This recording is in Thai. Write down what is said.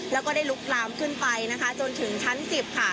แล้วก็ได้ลุกลามขึ้นไปนะคะจนถึงชั้น๑๐ค่ะ